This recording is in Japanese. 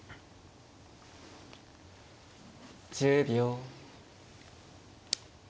１０秒。